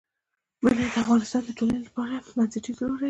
منی د افغانستان د ټولنې لپاره بنسټيز رول لري.